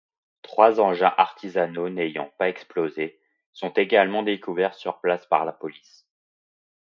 Trois engins artisanaux n'ayant pas explosé sont également découverts sur place par la police.